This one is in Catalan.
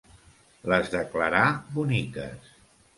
Les de Clarà, boniques.